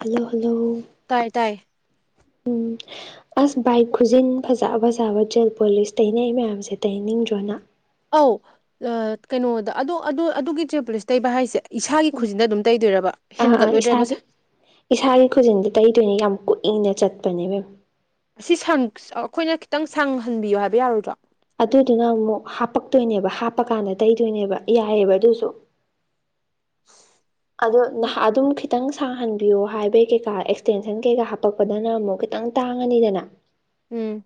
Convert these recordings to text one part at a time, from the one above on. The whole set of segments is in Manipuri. ꯍꯜꯂꯣ ꯍꯜꯂꯣ ꯇꯥꯏꯌꯦ ꯇꯥꯏꯌꯦ ꯎꯝ ꯑꯁ ꯕꯥꯏ ꯈꯨꯖꯤꯟ ꯐꯥꯖ ꯐꯥꯖꯕ ꯖꯦꯜ ꯄꯣꯂꯤꯁ ꯇꯩꯅꯩ ꯃꯌꯥꯝꯁꯦ ꯇꯩꯅꯅꯤꯡꯗ꯭ꯔꯣ ꯅꯪ ꯑꯧ ꯑꯥ ꯀꯩꯅꯣꯗ ꯑꯗꯣ ꯑꯗꯨ ꯑꯗꯨ ꯑꯗꯨꯒꯤ ꯖꯦꯜ ꯄꯨꯂꯤꯁ ꯇꯩꯕ ꯍꯥꯏꯁꯦ ꯏꯁꯥꯒꯤ ꯈꯨꯖꯤꯟꯗ ꯑꯗꯨꯝ ꯇꯩꯗꯣꯏꯔꯕ ꯑꯥ ꯑꯥ ꯍꯦꯟꯒꯠꯂꯣꯏꯗ꯭ꯔꯕ ꯏꯁꯥꯒꯤ ꯏꯁꯥꯒꯤ ꯈꯨꯖꯤꯟꯗ ꯇꯩꯗꯣꯏꯅꯦ ꯌꯥꯝ ꯀꯨꯏꯅ ꯆꯠꯄꯅꯦ ꯏꯕꯦꯝꯃ ꯑꯁꯤ ꯁꯪ ꯑꯩꯈꯣꯏꯅ ꯈꯤꯇꯪ ꯁꯪꯍꯟꯕꯤꯌꯨ ꯍꯥꯏꯕ ꯌꯥꯔꯣꯏꯗ꯭ꯔꯣ ꯑꯗꯨꯗꯨꯅ ꯑꯃꯨꯛ ꯍꯥꯞꯄꯛ ꯇꯣꯏꯅꯦꯕ ꯍꯥꯞꯄ ꯀꯥꯟꯗ ꯇꯩꯗꯣꯏꯅꯦꯕ ꯌꯥꯏꯑꯦꯕ ꯑꯗꯣꯏꯁꯨ [inaudible] ꯑꯗꯣ ꯅꯍꯥ ꯑꯗꯨꯝꯈꯤ ꯈꯤꯇꯪ ꯁꯥꯍꯟꯕꯤꯌꯣ ꯍꯥꯏꯕꯩ ꯀꯩꯀꯥ ꯑꯦꯛꯁꯇꯦꯟꯁꯟ ꯀꯩꯀꯥ ꯍꯥꯞꯄꯛꯄꯗꯅ ꯑꯃꯨꯛ ꯈꯤꯇꯪ ꯇꯥꯡꯉꯅꯤꯗꯅ ꯎꯝ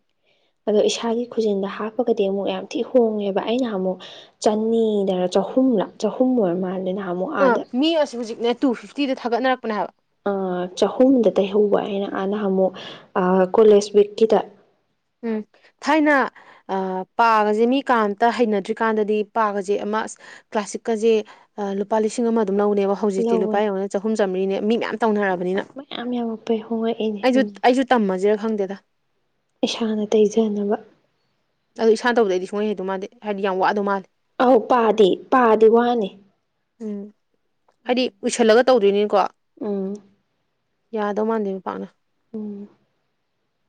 ꯑꯗꯣ ꯏꯁꯥꯒꯤ ꯈꯨꯖꯤꯟꯗ ꯍꯥꯞꯄꯒꯗꯤ ꯑꯃꯨꯛ ꯌꯥꯝ ꯊꯤ ꯍꯣꯡꯉꯦꯕ ꯑꯩꯅ ꯅꯍꯥꯟꯃꯨꯛ ꯆꯅꯤꯗꯔ ꯆꯍꯨꯝꯂ ꯆꯍꯨꯝ ꯑꯣꯏꯔ ꯃꯥꯜꯂꯦꯅ ꯑꯥ ꯃꯤꯑꯁꯤ ꯍꯧꯖꯤꯛꯅꯦ ꯇꯨ ꯐꯤꯐꯇꯤꯗ ꯊꯥꯒꯠꯅꯔꯛꯄꯅꯦ ꯍꯥꯏꯕ ꯑꯥ ꯆꯍꯨꯝꯗ ꯇꯩꯍꯧꯕ ꯑꯩꯅ ꯅꯍꯥꯃꯨꯛ ꯑꯥ ꯀꯣꯂꯦꯖ ꯋꯤꯛꯀꯤꯗ ꯎꯝ ꯊꯥꯏꯅ ꯑꯥ ꯄꯥꯒꯁꯦ ꯃꯤ ꯀꯥꯝꯇ ꯍꯩꯅꯗ꯭ꯔꯤꯀꯥꯟꯗꯗꯤ ꯄꯥꯒꯁꯦ ꯑꯃ ꯑꯁ ꯀ꯭ꯂꯥꯁꯤꯛꯀꯁꯦ ꯂꯨꯄꯥ ꯂꯤꯁꯤꯡ ꯑꯃ ꯑꯗꯨꯝ ꯂꯧꯅꯦꯕ ꯍꯧꯖꯤꯛꯇꯤ ꯂꯨꯄꯥ ꯂꯧꯕꯅꯦ ꯌꯦꯎꯅꯦ ꯆꯍꯨꯝ ꯆꯥꯝꯃꯔꯤꯅꯦ ꯃꯤ ꯃꯌꯥꯝ ꯇꯧꯅꯔꯕꯅꯤꯅ ꯃꯌꯥꯝ ꯌꯥꯝꯃꯛꯄꯩ ꯍꯣꯡꯉꯛꯏꯅꯦ ꯑꯩꯁꯨ ꯎꯝ ꯑꯩꯁꯨ ꯇꯝꯃꯁꯤꯔꯥ ꯈꯪꯗꯦꯗ ꯏꯁꯥꯅ ꯇꯩꯖꯅꯕ ꯑꯗꯣ ꯏꯁꯥꯅ ꯇꯧꯕꯗ ꯑꯩꯗꯤ ꯁꯨꯡꯍꯩ ꯍꯩꯗꯧ ꯃꯥꯟꯗꯦ ꯍꯥꯏꯗꯤ ꯌꯥꯝ ꯋꯥꯗꯧ ꯃꯥꯜꯂꯤ ꯑꯧ ꯄꯥꯗꯤ ꯄꯥꯗꯤ ꯋꯥꯅꯤ ꯎꯝ ꯎꯝ ꯍꯥꯏꯗꯤ ꯎꯏꯁꯜꯂꯒ ꯇꯧꯗꯣꯏꯅꯤꯀꯣ ꯎꯝ ꯌꯥꯗꯧ ꯃꯥꯟꯗꯦ ꯄꯥꯛꯅ ꯎꯝ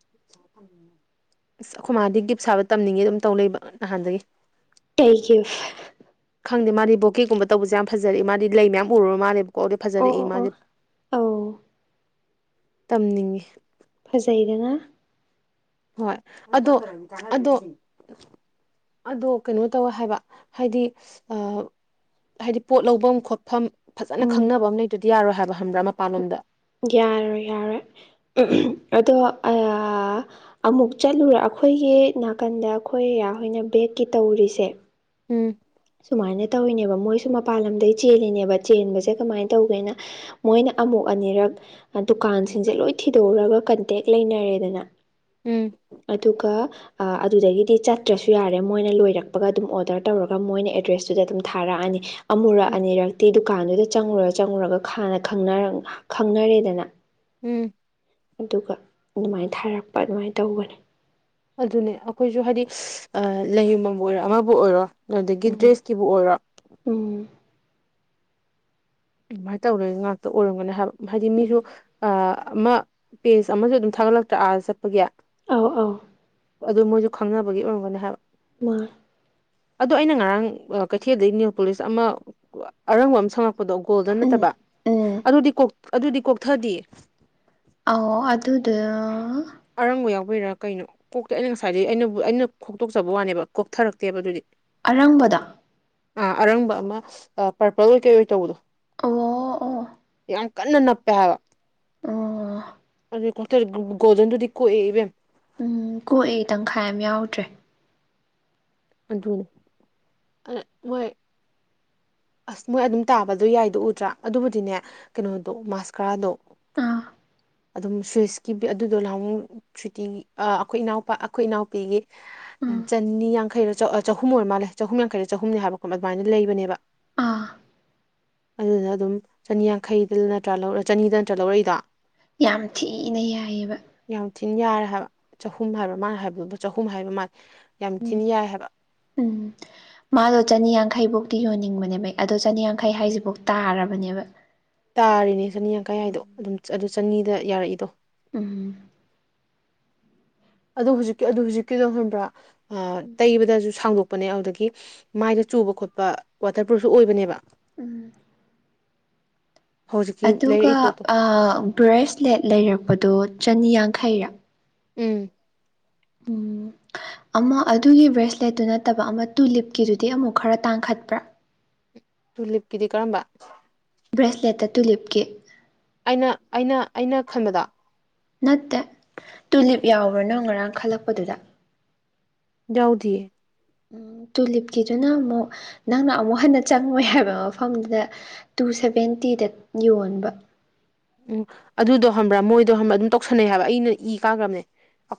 [inaudible] ꯏꯁ ꯑꯩꯈꯣꯏ ꯃꯥꯗꯤ ꯒꯤꯞ ꯁꯥꯕ ꯇꯝꯅꯤꯡꯉꯦ ꯑꯗꯨꯝ ꯇꯧ ꯂꯩꯕ ꯅꯍꯥꯟꯗꯒꯤ ꯀꯩ ꯒꯤꯞ ꯈꯪꯗꯦ ꯃꯥꯗꯤ ꯕꯣꯀꯦꯒꯨꯝꯕ ꯇꯧꯕꯁꯦ ꯌꯥꯝ ꯐꯖꯩ ꯃꯥꯗꯤ ꯂꯩ ꯃꯌꯥꯝ ꯎꯔꯨꯔ ꯃꯥꯜꯂꯦ ꯀꯣꯛꯗꯤ ꯑꯣ ꯐꯖꯔꯛꯏ ꯑꯣ ꯑꯣ ꯃꯥꯒꯤ ꯑꯧ ꯇꯝꯅꯤꯡꯉꯦ ꯐꯖꯩꯗꯅ ꯍꯣꯏ ꯑꯗꯣ ꯑꯗꯣ ꯑꯗꯣ ꯀꯩꯅꯣ ꯇꯧꯋꯦ ꯍꯥꯏꯕ ꯍꯥꯏꯗꯤ ꯑꯥ ꯍꯥꯏꯗꯤ ꯄꯣꯠ ꯂꯧꯚꯝ ꯈꯣꯠꯐꯝ ꯐꯖꯅ ꯎꯝ ꯈꯪꯅꯕ ꯑꯃ ꯂꯩꯇꯗꯤ ꯌꯥꯔꯣꯏ ꯍꯥꯏꯕ ꯈꯕ꯭ꯔꯥ ꯃꯄꯥꯟꯂꯝꯗ ꯌꯥꯔꯣꯏ ꯌꯥꯔꯣꯏ ꯑꯗꯣ ꯑꯥ ꯑꯃꯨꯛ ꯆꯠꯂꯨꯔ ꯑꯩꯈꯣꯏꯒꯤ ꯅꯥꯀꯟꯗ ꯑꯩꯈꯣꯏ ꯌꯥꯍꯣꯏꯅ ꯕꯦꯛꯀꯤ ꯇꯧꯔꯤꯁꯦ ꯎꯝ ꯁꯨꯃꯥꯏꯅ ꯇꯧꯋꯤꯅꯦꯕ ꯃꯣꯏꯁꯨ ꯃꯄꯥꯟ ꯂꯝꯗꯩ ꯆꯦꯜꯂꯤꯅꯦꯕ ꯆꯦꯟꯕꯁꯦ ꯀꯃꯥꯏꯅ ꯇꯧꯒꯦꯗ ꯃꯣꯏꯅ ꯑꯃꯨꯛ ꯑꯅꯤꯔꯛ ꯗꯨꯀꯥꯟꯁꯤꯡꯁꯦ ꯂꯣꯏ ꯊꯤꯗꯣꯛꯎꯔꯒ ꯀꯟꯇꯦꯛ ꯂꯩꯅꯔꯦꯗꯅ ꯎꯝ ꯑꯗꯨꯒ ꯑꯥ ꯑꯗꯨꯗꯒꯤꯗꯤ ꯆꯠꯇ꯭ꯔꯁꯨ ꯌꯥꯔꯦ ꯃꯣꯏꯅ ꯂꯣꯏꯔꯛꯄꯒ ꯑꯗꯨꯝ ꯑꯣꯗꯔ ꯇꯧꯔꯒ ꯃꯣꯏꯅ ꯑꯦꯗ꯭ꯔꯦꯁꯇꯨꯗ ꯑꯗꯨꯝ ꯊꯥꯔꯛꯑꯅꯤ ꯑꯃꯨꯔꯛ ꯎꯝ ꯑꯅꯤꯔꯛꯇꯤ ꯗꯨꯀꯥꯟꯗꯨꯗ ꯆꯪꯉꯨꯔ ꯆꯪꯉꯨꯔꯒ ꯍꯥꯟꯅ ꯈꯪꯅꯔꯛ ꯈꯪꯅꯔꯦꯗꯅ ꯎꯝ ꯑꯗꯨꯒ ꯑꯗꯨꯃꯥꯏꯟ ꯊꯥꯔꯛꯄ ꯑꯗꯨꯃꯥꯏꯟ ꯇꯧꯕꯅꯤ ꯑꯗꯨꯅꯦ ꯑꯩꯈꯣꯏꯁꯨ ꯍꯥꯏꯗꯤ ꯑꯥ ꯂꯩ ꯌꯣꯟꯕꯝꯕꯨ ꯑꯣꯏꯔꯣ ꯑꯃꯕꯨ ꯑꯣꯏꯔꯣ ꯑꯗꯒꯤ ꯎꯝ ꯗ꯭ꯔꯦꯁꯀꯤꯕꯨ ꯑꯣꯏꯔꯣ ꯎꯝ ꯑꯗꯨꯃꯥꯏꯟ ꯇꯧꯅꯩ ꯉꯥꯛꯇ ꯑꯣꯏꯔꯝꯒꯅꯤ ꯍꯥꯏꯕ ꯍꯥꯏꯗꯤ ꯎꯝ ꯃꯤꯁꯨ ꯑ ꯑꯃ ꯄꯦꯖ ꯑꯃꯁꯨ ꯑꯗꯨꯝ ꯊꯥꯒꯠꯂꯛꯇ꯭ꯔ ꯑꯥ ꯆꯠꯄꯒꯤ ꯑꯥꯎ ꯑꯥꯎ ꯑꯗꯨ ꯃꯣꯏꯁꯨ ꯈꯪꯅꯕꯒꯤ ꯑꯣꯏꯔꯝꯒꯅꯤ ꯍꯥꯏꯕ ꯃꯥ ꯑꯗꯣ ꯑꯩꯅ ꯉꯔꯥꯡ ꯑꯥ ꯀꯩꯊꯦꯜꯗꯒꯤ ꯅꯦꯜ ꯄꯣꯂꯤꯁ ꯑꯃ ꯑꯔꯪꯕ ꯑꯃ ꯁꯪꯉꯛꯄ ꯄꯗꯣ ꯒꯣꯜꯗꯟ ꯎꯝ ꯅꯠꯇꯕ ꯎꯝ ꯑꯗꯨꯗꯤ ꯀꯣꯛ ꯑꯗꯨꯗꯤ ꯀꯣꯛꯊꯗꯤꯌꯦ ꯑꯧ ꯑꯗꯨꯗꯣ ꯑꯔꯪꯕ ꯌꯥꯎꯕꯩꯔꯥ ꯀꯩꯅꯣ ꯀꯣꯛꯇꯦ ꯑꯩꯅ ꯉꯁꯥꯏꯗꯤ ꯑꯩꯅꯕꯨ ꯑꯩꯅ ꯈꯣꯛꯇꯣꯛꯆꯕ ꯋꯥꯅꯦꯕ ꯀꯣꯛꯊꯔꯛꯇꯦꯕ ꯑꯗꯨꯗꯤ ꯑꯔꯪꯕꯗꯥ ꯑꯥ ꯑꯔꯪꯕ ꯑꯃ ꯄꯔꯄꯜ ꯑꯣꯏ ꯀꯩ ꯑꯣꯏ ꯇꯧꯕꯗꯣ ꯑꯣ ꯑꯣ ꯌꯥꯝ ꯀꯟꯅ ꯅꯞꯄꯦ ꯍꯥꯏꯕ ꯑꯥ ꯑꯗꯨ ꯀꯣꯛꯇ ꯒꯣꯜꯗꯟꯗꯨꯗꯤ ꯀꯣꯛꯏ ꯏꯕꯦꯝꯃ ꯎꯝ ꯀꯣꯛꯑꯦ ꯇꯪꯈꯥꯏꯑꯃ ꯌꯥꯎꯗ꯭ꯔꯦ ꯑꯗꯨ ꯑ ꯃꯣꯏ ꯑꯁ ꯃꯣꯏ ꯑꯗꯨꯝ ꯇꯥꯕꯗꯣ ꯌꯥꯏꯗꯣ ꯎꯗ꯭ꯔꯥ ꯑꯗꯨꯕꯨꯗꯤꯅꯦ ꯀꯩꯅꯣꯗꯣ ꯃꯥꯁꯀꯥꯔꯥꯗꯣ ꯑꯥ ꯑꯗꯨꯝ ꯁ꯭ꯋꯤꯁꯀꯤ ꯕꯦꯠ ꯑꯗꯨꯗꯣ ꯅꯍꯥꯟꯃꯨꯛ ꯁꯨꯇꯤ ꯑꯥ ꯑꯩꯈꯣꯏ ꯏꯅꯥꯎꯄꯥ ꯑꯩꯈꯣꯏ ꯏꯅꯥꯎꯄꯤꯒꯤ ꯎꯝ ꯆꯅꯤ ꯌꯥꯡꯈꯩꯔ ꯆꯥ ꯆꯍꯨꯝ ꯑꯣꯏꯔ ꯃꯥꯜꯂꯦ ꯆꯍꯨꯝ ꯌꯥꯡꯈꯩꯗ ꯆꯍꯨꯝꯅꯤ ꯍꯥꯏꯕ ꯑꯗꯨꯃꯥꯏꯅ ꯂꯩꯕꯅꯦꯕ ꯑꯥ ꯑꯗꯨꯗꯨꯅ ꯑꯗꯨꯝ ꯆꯅꯤꯌꯥꯡꯈꯩꯗ ꯅꯠꯇ꯭ꯔ ꯂꯧꯔꯛ ꯆꯅꯤꯗ ꯅꯠꯇ꯭ꯔ ꯂꯧꯔꯛꯏꯗꯣ ꯌꯥꯝ ꯊꯤꯅ ꯌꯥꯏꯑꯦꯕ ꯌꯥꯝ ꯊꯤꯅ ꯌꯥꯔꯦ ꯍꯥꯏꯕ ꯆꯍꯨꯝ ꯍꯥꯏꯕ ꯃꯥꯅ ꯍꯥꯏꯕꯗꯨꯕꯨ ꯆꯍꯨꯝ ꯍꯥꯏꯕ ꯃꯥ ꯌꯥꯝ ꯊꯤꯅ ꯌꯥꯏ ꯍꯥꯏꯕ ꯎꯝ ꯃꯥꯗꯣ ꯆꯅꯤꯌꯥꯡꯈꯩꯕꯧꯇꯤ ꯌꯣꯟꯅꯤꯡꯕꯅꯦꯕ ꯑꯗꯣ ꯆꯅꯤꯌꯥꯡꯈꯩ ꯍꯥꯏꯁꯤꯕꯨꯛ ꯇꯥꯔꯕꯅꯦꯕ ꯇꯥꯔꯤꯅꯦ ꯆꯅꯤ ꯌꯥꯡꯈꯩ ꯍꯥꯏꯗꯣ ꯑꯗꯨꯝ ꯑꯗꯨ ꯆꯅꯤꯗ ꯌꯥꯔꯛꯏꯗꯣ ꯎꯝ ꯑꯗꯨ ꯍꯧꯖꯤꯛꯀꯤ ꯑꯗꯨ ꯍꯧꯖꯤꯛꯀꯤꯗꯣ ꯈꯪꯕ꯭ꯔꯥ ꯇꯩꯕꯗꯁꯨ ꯁꯥꯡꯗꯣꯛ ꯄꯅꯦ ꯑꯗꯨꯗꯒꯤ ꯃꯥꯏꯗ ꯆꯨꯕ ꯈꯣꯠꯄ ꯋꯥꯇꯔ ꯄ꯭ꯔꯨꯐꯁꯨ ꯑꯣꯏꯕꯅꯦꯕ ꯎꯝ ꯍꯧꯖꯤꯛꯀꯤ ꯑꯗꯨꯒ ꯂꯩꯔꯛꯏ ꯄꯣꯠꯇꯣ ꯑꯥ ꯕ꯭ꯔꯦꯁꯂꯦꯠ ꯂꯩꯔꯛꯄꯗꯣ ꯆꯅꯤꯌꯥꯡꯈꯩꯔꯥ ꯎꯝ ꯎꯝ ꯑꯃ ꯑꯗꯨꯒꯤ ꯕ꯭ꯔꯦꯁꯂꯦꯠꯇꯨ ꯅꯠꯇꯕ ꯑꯃ ꯇꯨꯂꯤꯞꯀꯤꯗꯨꯗꯤ ꯑꯃꯨꯛ ꯈꯔ ꯇꯥꯡꯈꯠꯄ꯭ꯔꯥ ꯇꯨꯂꯤꯞꯀꯤꯗꯤ ꯀꯔꯝꯕ ꯕ꯭ꯔꯦꯁꯂꯦꯠꯇ ꯇꯨꯂꯤꯞꯀꯤ ꯑꯩꯅ ꯑꯩꯅ ꯑꯩꯅ ꯈꯟꯕꯗꯣ ꯅꯠꯇꯦ ꯇꯨꯂꯤꯞ ꯌꯥꯎꯕ꯭ꯔꯥ ꯅꯪ ꯉꯔꯥꯡ ꯈꯜꯂꯛꯄꯗꯨꯗ ꯌꯥꯎꯗꯤꯌꯦ ꯎꯝ ꯇꯨꯂꯤꯞꯀꯤꯗꯨꯅ ꯑꯃꯨꯛ ꯅꯪꯅ ꯑꯃꯨꯛ ꯍꯟꯅ ꯆꯪꯉꯣꯏ ꯍꯥꯏꯕ ꯃꯐꯝꯗꯨꯗ ꯇꯨ ꯁꯚꯦꯟꯇꯤꯗ ꯌꯣꯟꯕ ꯎꯝ ꯑꯗꯨꯗꯣ ꯈꯪꯕ꯭ꯔꯥ ꯃꯣꯏꯗꯣ ꯈꯪꯕ꯭ꯔꯥ ꯑꯗꯨꯝ ꯇꯧꯁꯟꯅꯩ ꯍꯥꯏꯕ ꯑꯩꯅ ꯏ ꯀꯥꯈ꯭ꯔꯕꯅꯦ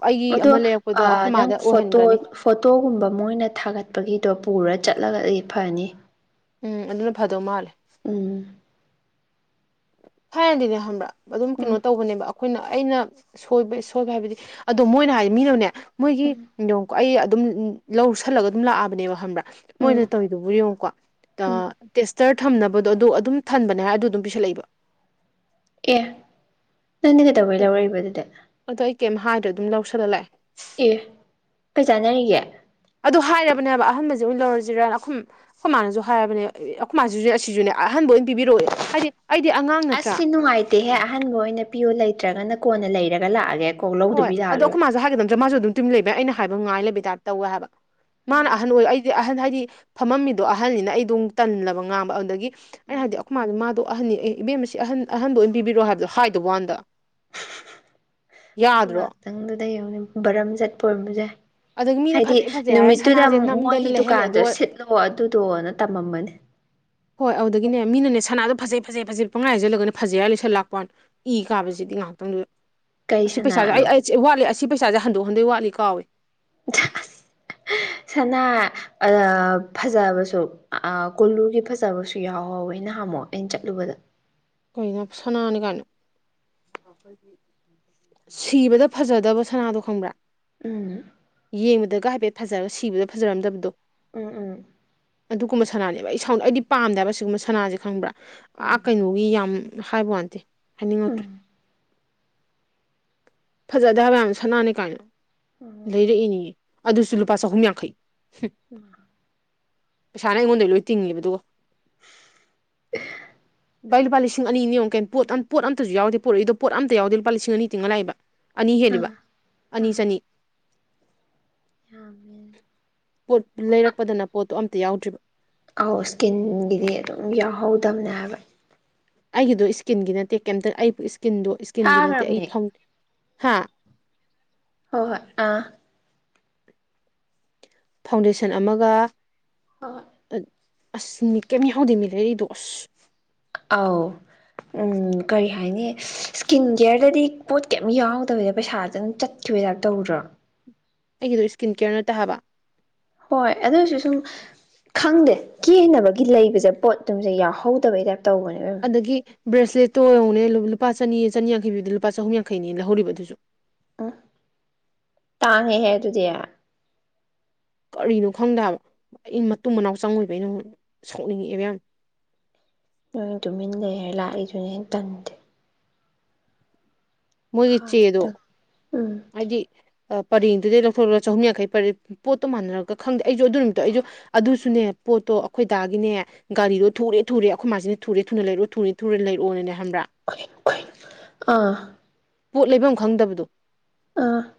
ꯑꯩꯒꯤ ꯑꯗꯣ ꯑꯃ ꯂꯩꯔꯛꯄꯗꯣ ꯑꯩꯈꯣꯏ ꯅꯪ ꯃꯥꯗ ꯐꯣꯇꯣ ꯑꯣꯏꯍꯟꯒꯅꯤ ꯐꯣꯇꯣꯒꯨꯝꯕ ꯃꯣꯏꯅ ꯊꯥꯒꯠꯄꯒꯤꯗꯣ ꯄꯨꯔ ꯆꯠꯂꯒꯗꯤ ꯐꯅꯤ ꯎꯝ ꯑꯗꯨꯅ ꯐꯗꯧ ꯃꯥꯜꯂꯦ ꯎꯝ ꯊꯥꯏꯅꯗꯤꯅꯦ ꯈꯪꯕ꯭ꯔꯥ ꯑꯗꯨꯝ ꯀꯩꯅꯣ ꯎꯝ ꯇꯧꯕꯅꯦꯕ ꯑꯛ ꯑꯩꯈꯣꯏꯅ ꯑꯩꯅ ꯁꯣꯏꯕ ꯁꯣꯏꯕ ꯍꯥꯏꯕꯗꯤ ꯑꯗꯣ ꯃꯣꯏꯅ ꯍꯥꯏꯗꯤ ꯃꯤꯅꯅꯦ ꯃꯣꯏꯒꯤꯀꯣ ꯑꯩ ꯑꯗꯨꯝ ꯂꯧꯁꯜꯂꯒ ꯑꯗꯨꯝ ꯂꯥꯛꯑꯕꯅꯦꯕ ꯈꯪꯕ꯭ꯔꯥ ꯎꯝ ꯃꯣꯏꯅ ꯇꯧꯔꯤꯗꯨꯕꯨ ꯌꯦꯡꯉꯨꯀꯣ ꯎꯝ ꯑꯥ ꯇꯦꯁ ꯇꯔ ꯊꯝꯅꯕꯗꯣ ꯑꯗꯣ ꯑꯗꯨꯝ ꯊꯟꯕꯅꯦ ꯍꯥꯏꯔ ꯑꯗꯨ ꯑꯗꯨꯝ ꯄꯤꯁꯜꯂꯛꯏꯕ ꯑꯦ ꯅꯪꯗꯤ ꯀꯩꯗꯧꯕꯩ ꯂꯧꯔꯛꯏꯕ ꯑꯗꯨꯗꯤ ꯑꯗꯣ ꯑꯩ ꯀꯦꯝ ꯍꯥꯏꯗ꯭ꯔꯦ ꯑꯗꯨꯝ ꯂꯧꯁꯤꯜꯂ ꯂꯥꯛꯑꯦ ꯑꯦ ꯀꯩ ꯆꯥꯟꯅꯔꯤꯒꯦ ꯑꯗꯨ ꯍꯥꯏꯔꯕꯅꯦꯕ ꯑꯍꯟꯕꯖꯦ ꯑꯣꯏꯅ ꯂꯧꯔꯖꯤꯔ ꯑꯈꯨꯝ ꯑꯩꯈꯣꯏ ꯃꯥꯅꯁꯨ ꯍꯥꯏꯔꯕꯅꯦꯕ ꯑꯩꯈꯣꯏ ꯃꯥꯖꯤꯖꯨ ꯑꯁꯤꯖꯨꯅꯦ ꯑꯍꯟꯕ ꯑꯣꯏꯅ ꯄꯤꯕꯤꯔꯛꯑꯣ ꯑꯦ ꯍꯥꯏꯗꯤ ꯑꯩꯗꯤ ꯑꯉꯥꯡ ꯑꯁ ꯅꯠꯇ꯭ꯔꯥ ꯁꯤ ꯅꯨꯡꯉꯥꯏꯇꯦꯍꯦ ꯑꯍꯟꯕ ꯑꯣꯏꯅ ꯄꯤꯌꯣ ꯂꯩꯇ꯭ꯔꯒꯅ ꯀꯣꯟꯅ ꯂꯩꯔꯒ ꯂꯥꯛꯑꯒꯦ ꯀꯣꯛ ꯍꯣꯏ ꯂꯧꯗꯕꯤ ꯑꯗꯣ ꯂꯥꯛꯑꯔꯣꯏ ꯑꯩꯈꯣꯏ ꯃꯥꯖꯨ ꯍꯥꯏꯒꯗꯝ ꯃꯥꯁꯨ ꯑꯗꯨꯝ ꯇꯨꯝ ꯂꯩꯕꯩ ꯑꯩꯅ ꯍꯥꯏꯕ ꯉꯥꯏ ꯂꯩꯕ ꯇꯥꯏꯞ ꯇꯧꯋꯦ ꯍꯥꯏꯕ ꯃꯥꯅ ꯎꯝ ꯑꯍꯟ ꯑꯣꯏ ꯑꯩꯗꯤ ꯑꯍꯟ ꯍꯥꯏꯗꯤ ꯐꯝꯃꯝꯃꯤꯗꯣ ꯑꯍꯜꯅꯤꯅ ꯑꯩꯗꯣꯃꯨ ꯇꯜꯂꯕ ꯉꯥꯡꯕ ꯑꯗꯨꯗꯒꯤ ꯑꯩꯅ ꯎꯝ ꯍꯥꯏꯗꯤ ꯑꯩꯈꯣꯏ ꯃꯥ ꯃꯥꯗꯣ ꯑꯍꯟꯅꯤ ꯑꯦ ꯏꯕꯦꯝꯃ ꯁꯤ ꯑꯍꯟ ꯑꯍꯟꯗꯣ ꯑꯣꯏ ꯄꯤꯕꯤꯔꯛꯑꯣ ꯍꯥꯏꯕꯗꯣ ꯍꯥꯏꯗ ꯋꯥꯟꯅꯤꯗ ꯉꯥꯛꯇꯪꯗꯨꯗ ꯌꯦꯡꯉꯨꯅꯦ ꯕꯔꯝ ꯆꯠꯄ ꯑꯣꯏꯔꯝꯕꯁꯨ ꯌꯥꯏ ꯑꯗꯒꯤ ꯃꯤꯅ ꯍꯥꯏꯗꯤ ꯐꯖꯩ ꯐꯖꯩ ꯍꯥꯏꯔ ꯅꯨꯃꯤꯠꯇꯨꯗ ꯁꯅꯥꯁꯦ ꯅꯝꯗꯅ ꯃꯣꯏꯒꯤ ꯂꯩꯍꯜꯂꯦ ꯗꯨꯀꯥꯟꯗꯣ ꯑꯗꯨꯒ ꯁꯤꯠꯂꯣ ꯑꯗꯨꯗꯣꯅ ꯇꯝꯃꯝꯃꯅꯤ ꯍꯣꯏ ꯑꯗꯨꯗꯒꯤꯅꯦ ꯃꯤꯅꯅꯦ ꯁꯅꯥꯗꯣ ꯐꯖꯩ ꯐꯖꯩ ꯐꯖꯩ ꯄꯨꯡꯍꯥꯏ ꯍꯥꯏꯖꯜꯂꯒꯅꯦ ꯐꯖꯩ ꯍꯥꯏꯔ ꯂꯩꯁꯜꯂꯥꯛꯄꯋꯥꯟꯅꯦ ꯏ ꯀꯥꯕꯁꯤꯗꯤ ꯉꯥꯛꯇꯪꯗꯨꯗ ꯀꯩ ꯑꯁꯤ ꯄꯩꯁꯥꯁꯦ ꯑꯩ ꯁꯅꯥꯅꯣ ꯑꯩ ꯋꯥꯠꯂꯤ ꯑꯁꯤ ꯄꯩꯁꯥꯁꯦ ꯍꯟꯗꯣꯛ ꯍꯟꯗꯣꯏ ꯋꯥꯠꯂꯤ ꯀꯥꯎꯋꯦ [inaudible] ꯁꯅꯥ ꯑꯥ ꯐꯖꯕꯁꯨ ꯑꯥ ꯀꯣꯂꯨꯒꯤ ꯐꯖꯕꯁꯨ ꯌꯥꯎꯍꯧꯋꯦ ꯅꯥꯍꯥꯟꯃꯨꯛ ꯑꯩꯟ ꯆꯠꯂꯨꯕꯗ ꯀꯩꯅꯣ ꯁꯅꯥꯅꯤ ꯀꯥꯏꯅ ꯁꯤꯕꯗ ꯐꯖꯗꯕ ꯁꯅꯥꯗꯣ ꯈꯪꯕ꯭ꯔꯥ ꯎꯝ ꯌꯦꯡꯕꯗꯒ ꯍꯥꯏꯐꯦꯠ ꯐꯖꯔ ꯁꯤꯕꯗ ꯐꯖꯔꯝꯗꯕꯗꯣ ꯎꯝ ꯑꯗꯨꯒꯨꯝꯕ ꯁꯅꯥꯅꯦꯕ ꯑꯩ ꯁꯥꯎꯅ ꯑꯩꯗꯤ ꯄꯥꯝꯗꯦ ꯍꯥꯏꯕ ꯑꯁꯤꯒꯨꯝꯕ ꯁꯅꯥꯁꯦ ꯈꯪꯕ꯭ꯔꯥ ꯑꯥ ꯎꯝ ꯀꯩꯅꯣꯒꯤ ꯌꯥꯝ ꯎꯝ ꯍꯥꯏꯕꯣꯎꯅꯟꯇꯦ ꯎꯝ ꯍꯥꯏꯅꯤꯡꯉꯛꯇ꯭ꯔꯦ ꯐꯖꯗꯦ ꯍꯥꯏꯕ ꯌꯥꯝ ꯁꯅꯥꯅꯤ ꯀꯥꯏꯅ ꯎꯝ ꯂꯩꯔꯛꯏꯅꯦꯌꯦ ꯑꯗꯨꯁꯨ ꯂꯨꯄꯥ ꯆꯍꯨꯝ ꯌꯥꯡꯈꯩ ꯍꯨꯝ ꯎꯝ ꯄꯩꯁꯥꯅ ꯑꯩꯉꯣꯟꯗꯩ ꯂꯣꯏ ꯇꯤꯡꯉꯤꯕ ꯑꯗꯨꯒ ꯕꯥꯏ ꯂꯨꯄꯥ ꯂꯤꯁ ꯄꯨꯡ ꯑꯅꯤꯅꯤ ꯌꯦꯡꯎ ꯀꯩꯝ ꯄꯣꯠ ꯑꯝ ꯄꯣꯠ ꯑꯝꯇꯁꯨ ꯌꯥꯎꯗꯦ ꯄꯨꯔꯛꯏꯗꯣ ꯄꯣꯠ ꯑꯝ ꯌꯥꯎꯗꯦ ꯄꯨꯔꯛꯏꯗꯨ ꯂꯨꯄꯥ ꯂꯤꯁꯤꯡ ꯑꯅꯤ ꯇꯤꯡꯉ ꯂꯥꯛꯏꯕ ꯑꯅꯤ ꯑꯣ ꯍꯦꯜꯂꯤꯕ ꯑꯥ ꯑꯅꯤ ꯑꯥ ꯆꯅꯤ ꯌꯥꯝꯃꯦ ꯄꯣꯠ ꯂꯩꯔꯛꯄꯗꯅ ꯄꯣꯠꯇꯨ ꯑꯝꯇ ꯌꯥꯎꯗ꯭ꯔꯤꯕ ꯑꯧ ꯁ꯭ꯀꯤꯟꯒꯤꯗꯤ ꯑꯗꯨꯝ ꯌꯥꯎꯍꯧꯗꯝꯅꯦ ꯍꯥꯏꯕ ꯑꯩꯒꯤꯗꯣ ꯏꯁꯀꯤꯟꯒꯤ ꯅꯠꯇꯦ ꯀꯩꯝꯇ ꯑꯩꯕꯨ ꯏꯁꯀꯤꯟꯗꯣ ꯏꯁꯀꯤꯟꯒꯤ ꯅꯠꯇꯦ ꯑꯩ ꯊꯥꯈ꯭ꯔꯕꯅꯦ ꯐꯪ ꯍꯥ ꯍꯣꯏ ꯍꯣꯏ ꯑꯥ ꯐꯥꯎꯟꯗꯦꯁꯟ ꯑꯃꯒ ꯍꯣ ꯍꯣꯏ ꯑꯁ ꯃꯤ ꯀꯩꯝ ꯌꯥꯎꯍꯧꯗꯦ ꯃꯤ ꯂꯩꯔꯤꯗꯣ ꯑꯁ ꯑꯥꯎ ꯎꯝ ꯀꯔꯤ ꯍꯥꯏꯅꯤ ꯁ꯭ꯀꯤꯟ ꯀꯤꯌꯔꯗꯗꯤ ꯄꯣꯠ ꯀꯩꯝ ꯌꯥꯎꯗꯕꯤꯗ ꯄꯩꯁꯥꯗꯪ ꯆꯠꯈꯤꯕꯩ ꯇꯥꯏꯞ ꯇꯧꯗ꯭ꯔꯣ ꯑꯩꯒꯤꯗꯨ ꯁ꯭ꯀꯤꯟ ꯀꯤꯌꯔ ꯅꯠꯇꯦ ꯍꯥꯢꯕ ꯍꯣꯏ ꯑꯗꯣꯏꯁꯨ ꯁꯨꯝ ꯈꯪꯗꯦ ꯀꯦꯅꯕꯒꯤ ꯂꯩꯕꯖꯦ ꯄꯣꯠꯇꯨꯝꯖꯦ ꯌꯥꯎꯍꯧꯗꯕꯩ ꯇꯥꯏꯞ ꯇꯧꯕꯅꯦꯕ ꯑꯗꯒꯤ ꯕ꯭ꯔꯦꯁꯂꯦꯠꯇꯣ ꯌꯦꯡꯉꯨꯅꯦ ꯂꯨꯄꯥ ꯆꯅꯤ ꯆꯅꯤꯌꯥꯡꯈꯩ ꯄꯤꯕꯗꫭ ꯂꯨꯄꯥ ꯆꯍꯨꯝ ꯌꯥꯡꯈꯩꯅꯤ ꯂꯧꯍꯧꯔꯤꯕ ꯑꯗꯨꯁꯨ ꯎꯝ ꯇꯥꯡꯉꯦꯍꯦ ꯑꯗꯨꯗꯤ ꯀꯔꯤꯅꯣ ꯈꯪꯗꯦ ꯍꯥꯏꯕ ꯑꯩ ꯃꯇꯨꯡ ꯃꯅꯥꯎ ꯆꯪꯉꯣꯏꯕ ꯑꯩꯅ ꯁꯥꯎꯅꯤꯡꯉꯛꯑꯦꯕ ꯌꯥꯝ ꯅꯣꯏ ꯇꯨꯃꯤꯟ ꯂꯩꯔ ꯂꯥꯛꯏꯗꯨꯅ ꯍꯦꯟ ꯇꯟꯗꯦ ꯃꯣꯏꯒꯤ ꯆꯦꯗꯣ ꯍꯥꯏꯕꯗ ꯎꯝ ꯍꯥꯏꯗꯤ ꯄꯔꯦꯡꯗꯨꯗꯩ ꯂꯧꯊꯣꯛꯂꯒ ꯆꯍꯨꯝ ꯌꯥꯡꯈꯩ ꯄꯔꯦꯡ ꯄꯣꯠꯇꫭ ꯃꯥꯟꯅꯔꯒ ꯈꯪꯗꯦ ꯑꯩꯖꯨ ꯑꯗꯨ ꯅꯨꯃꯤꯠꯇꯣ ꯑꯩꯖꯨ ꯑꯗꯨꯁꯨꯅꯦ ꯄꯣꯠꯇꯣ ꯑꯈꯣꯏꯗꯥꯒꯤꯅꯦ ꯒꯥꯔꯤꯗꯣ ꯊꯨꯔꯦ ꯊꯨꯔꯦ ꯑꯈꯣꯏ ꯃꯥꯁꯤꯅ ꯊꯨꯔꯦ ꯊꯨꯔꯦ ꯊꯨꯅ ꯂꯩꯔꯑꯣ [unintelligible] ꯂꯩꯔꯛꯑꯣꯅꯅꯦ ꯈꯪꯕ꯭ꯔ ꯀꯩ ꯀꯩꯅꯣ ꯑꯥ ꯄꯣꯠ ꯂꯩꯕꯝ ꯈꯪꯗꯕꯗꯣ ꯑ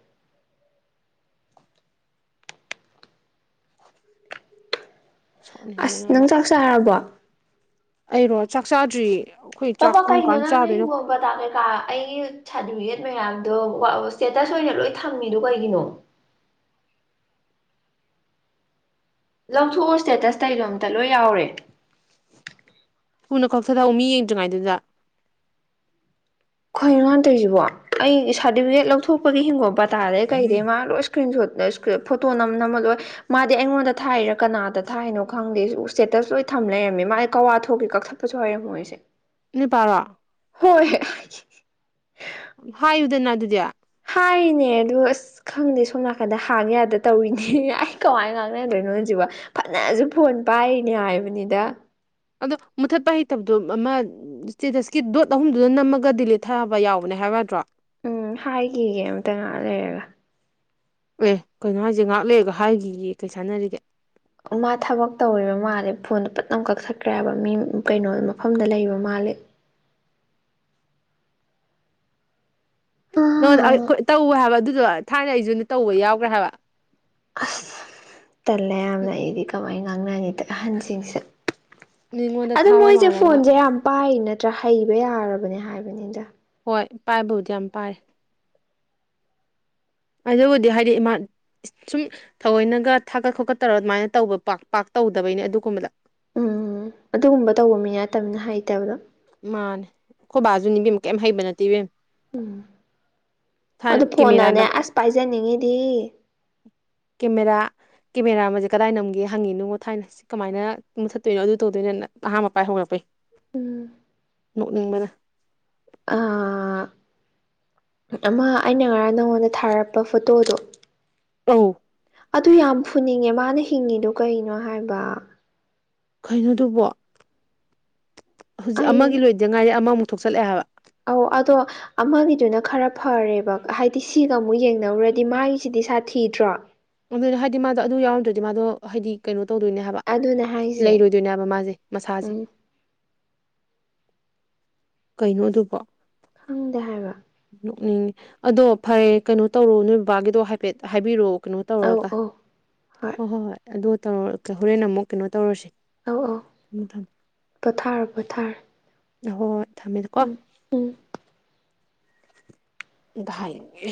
ꯑꯥꯁ ꯁꯥꯎꯅꯤꯡꯕꯅꯕ ꯅꯪ ꯆꯥꯛ ꯆꯥꯔꯕꯣ ꯑꯩꯔꯣ ꯆꯥꯛ ꯆꯥꯗ꯭ꯔꯤꯌꯦ [inaudible] ꯀꯩꯅꯣ ꯅꯪ ꯂꯩꯕꯣ ꯄꯗꯥ ꯀꯩꯀꯥ ꯑꯩꯒꯤ ꯁꯥꯔꯇꯤꯐꯤꯀꯦꯠ ꯃꯌꯥꯝꯗꯣ [unintelligible] ꯁ꯭ꯇꯦꯇꯁ ꯑꯣꯏꯅ ꯂꯣꯏ ꯊꯝꯃꯤꯗꯨ ꯀꯩꯒꯤꯅꯣ ꯂꯧꯊꯣꯛꯑꯣ ꯁ꯭ꯇꯦꯇꯁꯇꯩꯗꯣ ꯑꯝꯇ ꯂꯣꯏ ꯌꯥꯎꯔꯦ ꯊꯨꯅ ꯀꯛꯊꯠꯂꯧ ꯃꯤ ꯌꯦꯡꯗ꯭ꯔꯤꯉꯩꯗꯨꯗ ꯀꯩꯅꯣ ꯃꯥ ꯇꯩꯖꯤꯕꯣ ꯑꯩ ꯁꯥꯔꯇꯤꯐꯤꯀꯦꯠ ꯂꯧꯊꯣꯛꯄꯒꯤ ꯍꯤꯡꯒꯣꯟ ꯄꯇꯥꯗꯩ ꯀꯩꯗꯩ ꯃꯥ ꯂꯣꯏ ꯏꯁꯀ꯭ꯔꯤꯟ ꯁꯣꯠ [unintelligible] ꯐꯣꯇꯣ ꯅꯝ ꯅꯝꯃ ꯂꯣꯏ ꯃꯥꯗꯤ ꯑꯩꯉꯣꯟꯗ ꯊꯥꯏꯔ ꯀꯅꯥꯗ ꯊꯥꯏꯅꯣ ꯈꯪꯗꯦ ꯏꯁꯇꯦꯇꯁ ꯂꯣꯏ ꯊꯝ ꯂꯩꯔꯝꯃꯦ ꯃꯥ ꯑꯩ ꯀꯋꯥ ꯊꯣꯛꯈꯤ ꯀꯛꯊꯠ ꯄꯁꯨ ꯍꯩꯔꯝꯃꯣꯏ ꯑꯁꯦ ꯅꯣꯏ ꯕꯥꯔꯣ ꯍꯥꯏꯌꯨꯗꯅ ꯑꯗꯨꯗꯤ ꯍꯥꯏꯔꯤꯅꯦ ꯑꯗꯨ ꯑꯁ ꯈꯪꯗꯦ ꯁꯣꯝ ꯅꯥꯀꯟꯗ ꯍꯥꯡ ꯌꯥꯗ ꯇꯧꯔꯤꯅꯤ ꯑꯩ ꯀꯃꯥꯏꯅ ꯉꯥꯡꯅꯗꯣꯏꯅꯣ ꯑꯁꯤꯕꯣ ꯐꯅꯖꯨ ꯐꯣꯟ ꯄꯥꯏꯔꯤꯅꯤ ꯍꯥꯏꯕꯅꯤꯗ ꯑꯗꯣ ꯃꯨꯠꯊꯠꯄ ꯍꯩꯇꯕꯗꯣ ꯑꯃ ꯏꯁꯇꯦꯇꯁꯀꯤ ꯗꯣꯠ ꯑꯍꯨꯝꯗꯨꯗ ꯅꯝꯃꯒ ꯗꯤꯂꯤꯠ ꯊꯥꯕ ꯌꯥꯎꯕꯅꯦ ꯍꯥꯏꯌꯨ ꯌꯥꯗ꯭ꯔꯣ ꯎꯝ ꯍꯥꯏꯈꯤꯒꯦ ꯑꯝꯇ ꯉꯥꯏꯍꯛ ꯂꯩꯔꯒ ꯑꯦ ꯀꯩꯅꯣ ꯍꯥꯏꯖꯦ ꯉꯥꯍꯛ ꯂꯩꯔꯒ ꯍꯥꯏꯒꯤꯒꯦꯌꯦ ꯀꯩ ꯆꯥꯟꯅꯔꯤꯒꯦ ꯃꯥ ꯊꯕꯛ ꯇꯧꯔꯤꯕ ꯃꯥꯜꯂꯦ ꯐꯣꯟꯗꯣ ꯄꯠ ꯂꯥꯎ ꯀꯛꯊꯠꯈ꯭ꯔꯦ ꯍꯥꯏꯕ ꯃꯤ ꯀꯩꯅꯣ ꯃꯐꯝꯗ ꯂꯩꯕ ꯃꯥꯜꯂꯦ ꯅꯉꯣꯟꯗ ꯑꯥ [unintelligible] ꯇꯧꯋꯦ ꯍꯥꯏꯕ ꯑꯗꯨꯗꯣ ꯊꯥꯏꯅ ꯑꯩꯖꯨ ꯇꯧꯕ ꯌꯥꯎꯒ꯭ꯔꯦ ꯍꯥꯏꯕ ꯑꯁ ꯇꯜꯂꯦ ꯌꯥꯝꯅ ꯑꯩꯗꯤ ꯀꯃꯥꯏꯟ ꯉꯥꯡꯅꯅꯤ ꯑꯍꯟꯁꯤꯡꯁꯦ ꯃꯤꯉꯣꯟꯗ ꯑꯗꯣ ꯊꯥꯕ ꯃꯣꯏꯖꯦ ꯃꯥꯜꯂꯒ ꯐꯣꯟꯖꯦ ꯌꯥꯝ ꯄꯥꯏ ꯅꯠꯇ꯭ꯔ ꯍꯩꯕ ꯌꯥꯔꯕꯅꯦ ꯍꯥꯏꯕꯅꯤꯗ ꯍꯣꯏ ꯄꯥꯏꯕꯕꯨꯗꯤ ꯌꯥꯝ ꯄꯥꯏ ꯑꯗꯨꯕꯨꯗꯤ ꯍꯥꯏꯗꯤ ꯏꯃꯥꯟ ꯁꯨꯝ ꯊꯋꫭꯏꯅꯒ ꯊꯥꯒꯠ ꯈꯣꯠꯀꯠ ꯇꯧꯔ ꯑꯗꯨꯃꯥꯏꯅ ꯇꯧꯕ ꯄꯥꯛ ꯄꯥꯛ ꯇꯧꯗꯕꯩꯅꯦ ꯑꯗꯨꯒꯨꯝꯕꯗ ꯎꯝ ꯑꯗꯨꯒꯨꯝꯕ ꯇꯧꯕ ꯃꯤ ꯅꯠꯇꯝꯅꯤꯅ ꯍꯩꯇꯕꯗꯣ ꯃꯥꯅꯦ ꯑꯈꯣꯏ ꯕꯥꯖꯨꯅꯦ ꯏꯕꯦꯝꯃ ꯀꯩꯝ ꯍꯩꯕ ꯅꯠꯇꯦ ꯏꯕꯦꯝꯃ ꯎꯝ ꯊꯥꯏꯅ ꯑꯗꯨ ꯐꯣꯟꯅꯅꯦ ꯀꯦꯃꯦꯔꯥꯅ ꯑꯁ ꯄꯥꯏꯖꯅꯤꯡꯉꯤꯗꯤ ꯀꯦꯃꯦꯔꯥ ꯀꯦꯃꯦꯔꯥ [unintelligible] ꯀꯗꯥꯏ ꯅꯝꯒꯦ ꯍꯪꯉꯤꯅꯤꯉꯣ ꯊꯥꯏꯅ ꯀꯃꯥꯏꯅ ꯃꯨꯊꯠꯇꯣꯏꯅꯣ ꯑꯗꯨ ꯇꯧꯗꯣꯏꯅꯣꯅ ꯑꯍꯥꯟꯕ ꯄꯥꯥꯏ ꯍꯧꯔꯛꯄꯩ ꯑ ꯅꯣꯛꯅꯤꯡꯕꯅ ꯑ ꯑꯃ ꯑꯩꯅ ꯉꯔꯥꯡ ꯅꯉꯣꯟꯗ ꯊꯥꯔꯛꯄ ꯐꯣꯇꯣꯗꯣ ꯎꯝ ꯑꯗꯨ ꯌꯥꯝ ꯐꯨꯅꯤꯡꯉꯦ ꯃꯥꯅ ꯍꯤꯡꯉꯤꯗꯣ ꯀꯩꯅꯣ ꯍꯥꯏꯕ ꯀꯩꯅꯣꯗꯨꯕꯣ ꯍꯧꯖꯤꯛ ꯑꯃꯒꯤ ꯑꯩ ꯂꯣꯏꯗ ꯉꯥꯏꯔꯤ ꯑꯃꯃꯨꯛ ꯊꯣꯛꯆꯠꯂꯛꯑꯦ ꯍꯥꯏꯕ ꯑꯧ ꯑꯗꯣ ꯑꯃꯒꯤꯗꯨꯅ ꯈꯔ ꯐꯔꯦꯕ ꯍꯥꯏꯗꯤ ꯁꯤꯒ ꯑꯃꯨꯛ ꯌꯦꯡꯅꯔꯨꯔꯗꯤ ꯃꯥꯒꯤꯁꯤꯗꯤ ꯁꯥꯊꯤꯗ꯭ꯔꯣ ꯑꯗꯨꯅꯦ ꯍꯥꯏꯗꯤ ꯃꯥꯗꯣ ꯑꯗꯨ ꯌꯥꯎꯔꯝꯗ꯭ꯔꯗꯤ ꯃꯥꯗꯣ ꯍꯥꯏꯗꯤ ꯀꯩꯅꯣ ꯇꯧꯗꯣꯏꯅꯦ ꯍꯥꯏꯕ ꯑꯗꯨꯅꯦ ꯍꯥꯏꯁꯦ ꯂꯩꯔꯣꯏꯗꯣꯏꯅꯦ ꯍꯥꯏꯕ ꯃꯥꯖꯦ ꯃꯁꯥꯖꯦ ꯎꯝ ꯀꯩꯅꯣ ꯑꯗꯨꯕꯣ ꯈꯪꯗꯦ ꯍꯥꯏꯕ ꯅꯣꯛꯅꯤꯡꯅꯦ ꯑꯗꯣ ꯐꯔꯦ ꯀꯩꯅꯣ ꯇꯧꯔꯣ ꯅꯣꯏ ꯕꯕꯥꯒꯤꯗꯣ ꯍꯥꯏꯐꯦꯠ ꯍꯥꯏꯕꯤꯔꯣ ꯀꯩꯅꯣ ꯑꯧ ꯇꯧꯔꯒ ꯑꯧ ꯍꯣꯏ ꯍꯣꯏ ꯍꯣꯏ ꯑꯗꯣ ꯇꯧꯔ ꯍꯣꯔꯦꯟ ꯑꯃꯨꯛ ꯀꯩꯅꯣ ꯇꯧꯔꯁꯤ ꯑꯧ ꯑꯧ ꯄꯣꯊꯥꯔꯣ ꯄꯣꯊꯥꯔ ꯍꯣ ꯍꯣꯏ ꯊꯝꯃꯦꯗ ꯀꯣ ꯎꯝ ꯕꯥꯏꯌꯤꯡꯉꯦ